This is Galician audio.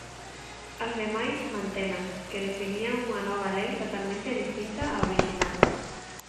As demais mantenas, que definían un nova lei totalmente distinta á orixinal.